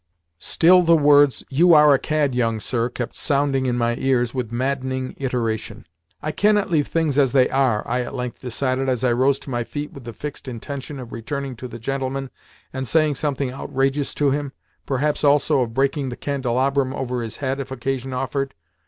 Still the words, "You are a cad, young sir," kept sounding in my ears with maddening iteration. "I cannot leave things as they are," I at length decided as I rose to my feet with the fixed intention of returning to the gentleman and saying something outrageous to him perhaps, also, of breaking the candelabrum over his head if occasion offered.